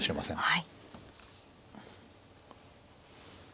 はい。